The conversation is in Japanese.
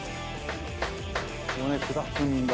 「骨砕くんだ」